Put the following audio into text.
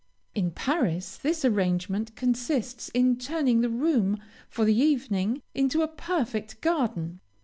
In Paris this arrangement consists in turning the room, for the evening, into a perfect garden.